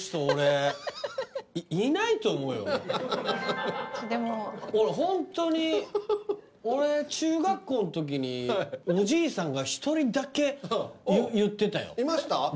俺いないと思うよでも俺ホントに俺中学校のときにおじいさんが１人だけ言ってたよいました？